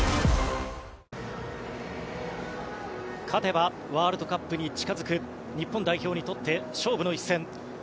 勝てばワールドカップに近づく日本代表にとって勝負の一戦。